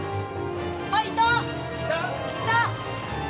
いた？